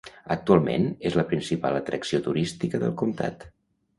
Actualment és la principal atracció turística del comtat.